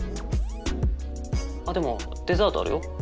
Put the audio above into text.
あっでもデザートあるよ。